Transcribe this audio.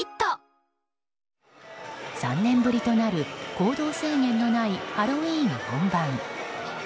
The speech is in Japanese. ３年ぶりとなる行動制限のないハロウィーン本番。